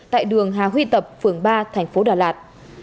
tại đường hà huy tập phường ba thành phố đà lạt